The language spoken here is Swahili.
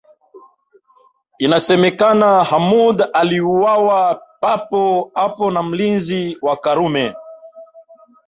Inasemekana Hamoud aliuawa papo hapo na mlinzi wa Karume